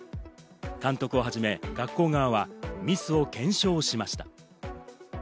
監督をはじめ学校側はミスを検証しました。